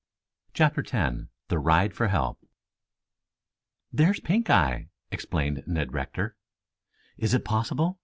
CHAPTER X THE RIDE FOB HELP "There's Pink eye!" exclaimed Ned Rector. "Is it possible?"